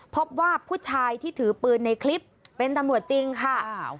พบว่าผู้ชายที่ถือปืนในคลิปเป็นตำรวจจริงค่ะ